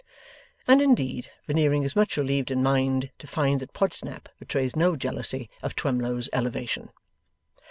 And, indeed, Veneering is much relieved in mind to find that Podsnap betrays no jealousy of Twemlow's elevation.